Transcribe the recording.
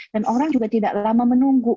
dan orang juga tidak lama menunggu